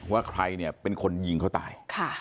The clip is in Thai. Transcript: ว่าใครเป็นคนยิงเขาตาย